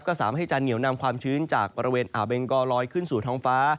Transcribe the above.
ก็สามารถให้จะเหนียวนำความชื้นจากบริเวณอ่าวเบงกอลอยขึ้นสู่ท้องฟ้า